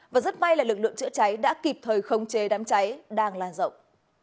và rất may là lực lượng chữa cháy đã kịp thời khống chế đám cháy đang lan rộng